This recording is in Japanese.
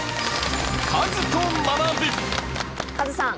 カズさん